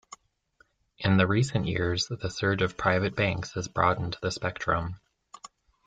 In the recent years, the surge of private banks has broadened the spectrum.